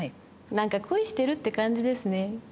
何か恋してるって感じですね。